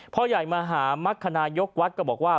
พ่อใหญ่มหามักคณายกวัดก็บอกว่า